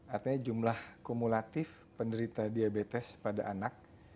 artinya jumlah kumulatif penderita diabetes pada anak